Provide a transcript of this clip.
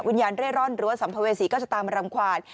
วิญญาณเร่ร่อนหรือว่าสัมภเวษีก็จะตามรำขวาด